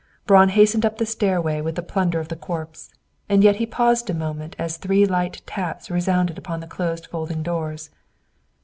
Braun hastened up the stairway with the plunder of the corpse, and yet he paused a moment as three light taps resounded upon the closed folding doors.